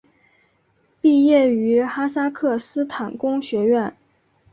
毕业于哈萨克斯坦工学院。